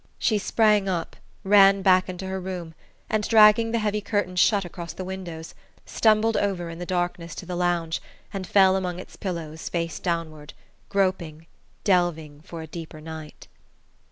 She sprang up, ran back into her room, and dragging the heavy curtains shut across the windows, stumbled over in the darkness to the lounge and fell among its pillows face downward groping, delving for a deeper night....